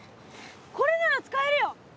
これなら使えるよ！